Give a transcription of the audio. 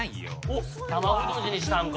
おっ卵とじにしたんか。